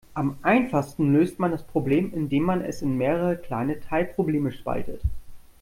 Am einfachsten löst man das Problem, indem man es in mehrere kleine Teilprobleme spaltet.